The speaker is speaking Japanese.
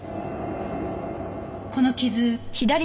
この傷。